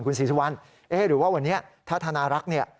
คุณศรีสุวรรณเอ๊ะหรือว่าวันนี้ถ้าธนารักษ์เนี่ย